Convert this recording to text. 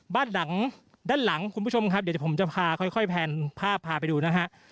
บ้านหลังด้านหลังคุณผู้ชมครับเดี๋ยวผมจะพาค่อยแพนภาพพาไปดูนะฮะ